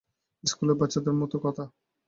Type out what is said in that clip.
স্কুলের বাচ্চাদের মতো কথা।